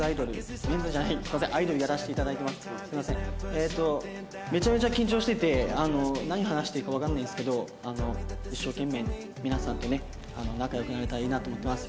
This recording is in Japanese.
えっとめちゃめちゃ緊張してて何話していいかわかんないんですけど一生懸命皆さんとね仲良くなれたらいいなと思ってます。